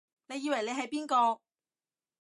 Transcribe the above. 你以為你係邊個？